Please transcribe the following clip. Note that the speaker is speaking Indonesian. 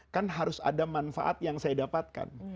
kan harus ada manfaat yang saya dapatkan